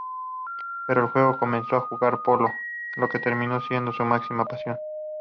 Pero luego comenzó a jugar polo, lo que terminó siendo su máxima pasión.